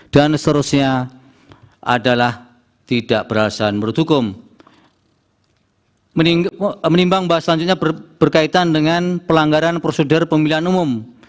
dan seterusnya adalah tidak berlaksanak menurut hukum